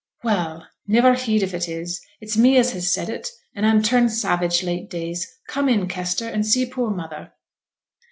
'Well! niver heed if it is it's me as said it, and I'm turned savage late days. Come in, Kester, and see poor mother.'